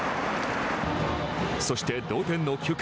そして、同点の９回。